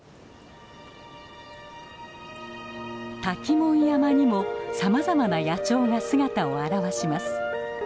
「焚きもん山」にもさまざまな野鳥が姿を現します。